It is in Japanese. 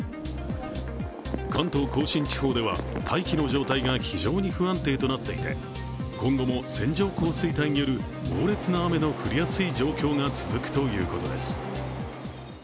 関東甲信地方では大気の状態が非常に不安定となっていて、今後も線状降水帯による猛烈な雨の降りやすい状況が続くということです。